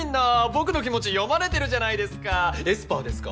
僕の気持ち読まれてるじゃないですかエスパーですか？